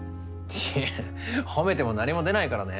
いや褒めても何も出ないからね。